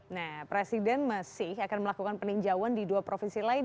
nah presiden masih akan melakukan peninjauan di dua provinsi lain